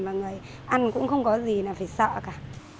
mà người ăn cũng không có gì là phải sợ cả